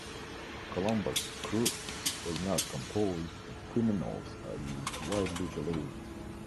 Columbus' crew was not composed of criminals as is widely believed.